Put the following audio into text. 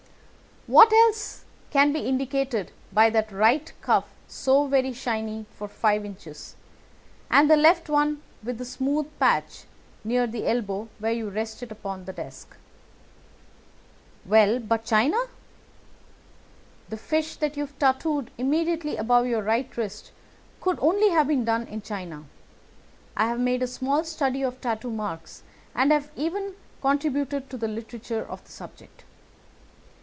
"What else can be indicated by that right cuff so very shiny for five inches, and the left one with the smooth patch near the elbow where you rest it upon the desk?" "Well, but China?" "The fish that you have tattooed immediately above your right wrist could only have been done in China. I have made a small study of tattoo marks and have even contributed to the literature of the subject.